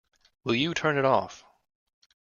Will you turn it off?